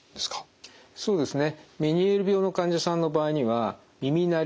そうですね。